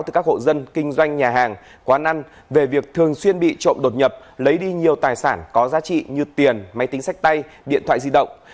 từ các hộ dân kinh doanh nhà hàng quán ăn về việc thường xuyên bị trộm đột nhập lấy đi nhiều tài sản có giá trị như tiền máy tính sách tay điện thoại di động